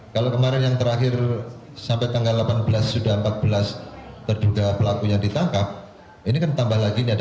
kalau kemarin yang terakhir sampai tanggal delapan belas sudah empat belas terduga pelakunya ditangkap ini kan tambah lagi ini ada